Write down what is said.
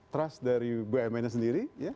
trust dari bumn nya sendiri